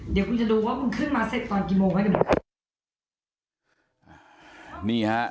เดี๋ยวมึงจะดูว่ามึงขึ้นมาเสร็จตอนกี่โมงไว้ด้วยมึง